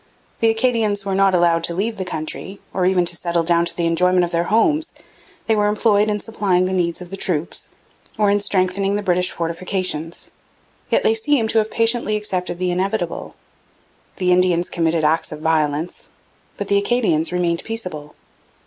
The Acadians were not allowed to leave the country, or even to settle down to the enjoyment of their homes; they were employed in supplying the needs of the troops, or in strengthening the British fortifications; yet they seem to have patiently accepted the inevitable. The Indians committed acts of violence, but the Acadians remained peaceable.